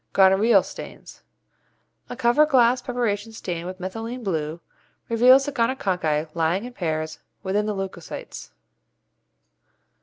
Gonorrhoeal Stains. A cover glass preparation stained with methylene blue reveals the gonococci lying in pairs within the leucocytes.